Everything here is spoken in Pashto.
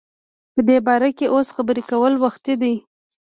په دی باره کی اوس خبری کول وختی دی